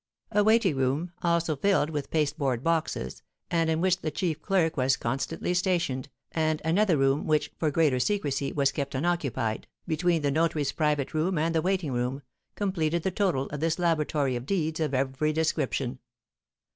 A waiting room, also filled with pasteboard boxes, and in which the chief clerk was constantly stationed, and another room, which, for greater secrecy, was kept unoccupied, between the notary's private room and the waiting room, completed the total of this laboratory of deeds of every description.